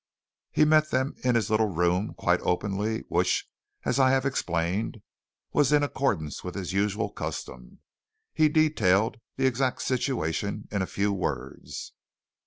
He met them in his little room, quite openly, which, as I have explained, was in accordance with his usual custom. He detailed the exact situation in a few words.